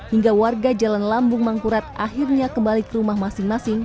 hingga warga jalan lambung mangkurat akhirnya kembali ke rumah masing masing